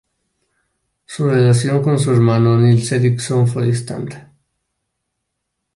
Su relación con su hermano Nils Ericson fue distante.